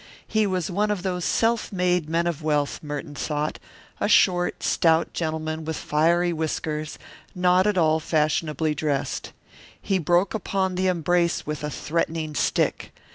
He was one of those self made men of wealth, Merton thought, a short, stout gentleman with fiery whiskers, not at all fashionably dressed. He broke upon the embrace with a threatening stick.